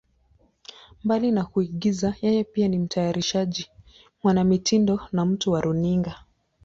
Mbali na kuigiza, yeye pia ni mtayarishaji, mwanamitindo na mtu wa runinga.